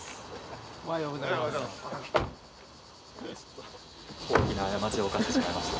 おはようございます。